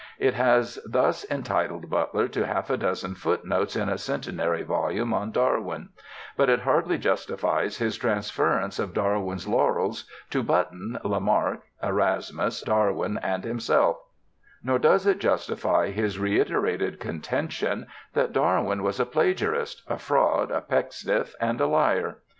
It has thus entitled Butler to half a dozen footnotes in a centenary volume on Darwin; but it hardly justifies his transference of Darwin's laurels to Button, Lamarck, Erasmus Darwin and himself; nor does it justify his reiterated contention that Darwin was a plagiarist, a fraud, a Pecksniff and a liar.